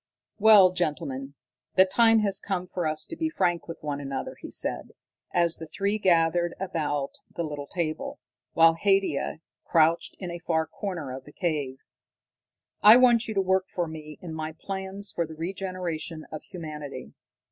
"Well, gentlemen, the time has come for us to be frank with one another," he said, as the three were gathered about the little table, while Haidia crouched in a far corner of the cave. "I want you to work for me in my plans for the regeneration of humanity.